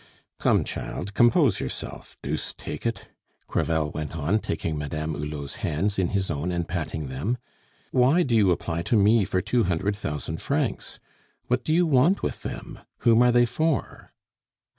"Come, child, compose yourself. Deuce take it!" Crevel went on, taking Madame Hulot's hands in his own and patting them. "Why do you apply to me for two hundred thousand francs? What do you want with them? Whom are they for?"